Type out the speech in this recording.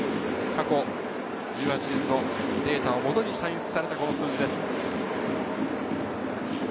過去１８年のデータをもとに算出された数字です。